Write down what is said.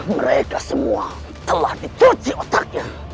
mereka semua telah dicuci otaknya